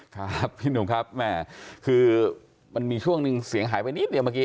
ครับพี่หนุ่มครับแม่คือมันมีช่วงหนึ่งเสียงหายไปนิดเดียวเมื่อกี้